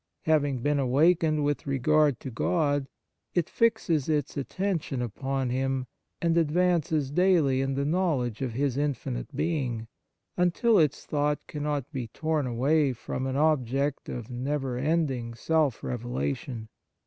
Having been awakened with regard to God, it fixes its attention upon Him, and advances daily in the knowledge of His infinite Being, until its thought cannot be torn away from an ob ject of never ending self revelation.